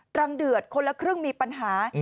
รังเดือดคนละครึ่งมีปัญหา